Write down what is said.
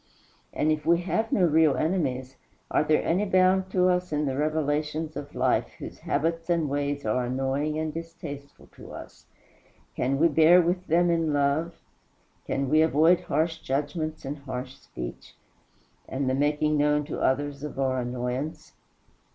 And if we have no real enemies, are there any bound to us in the relations of life whose habits and ways are annoying and distasteful to us? Can we bear with them in love? Can we avoid harsh judgments, and harsh speech, and the making known to others our annoyance?